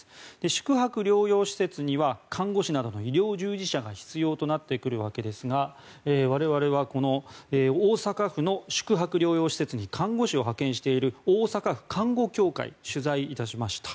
宿泊療養施設には看護師などの医療従事者が必要となってくるわけですが我々は大阪府の宿泊療養施設に看護師を派遣している大阪府看護協会を取材いたしました。